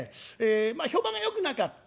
まあ評判がよくなかった。